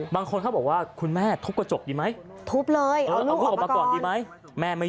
บางคนเขาบอกว่าคุณแม่ทุบกระจกดีไหม